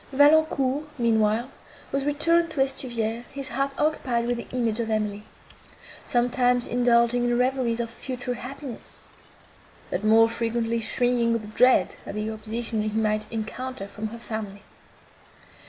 Valancourt, meanwhile, was returned to Estuvière, his heart occupied with the image of Emily; sometimes indulging in reveries of future happiness, but more frequently shrinking with dread of the opposition he might encounter from her family.